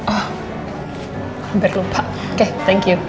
oh hampir lupa oke thank you